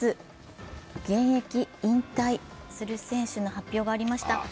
現役引退する選手の発表がありました。